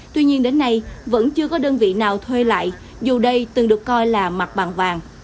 tuy nhiên đến nay vẫn chưa có đơn vị nào thuê lại dù đây từng được coi là mặt bằng vàng